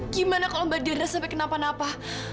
gimana kalau mbak dirasa sampai kenapa napa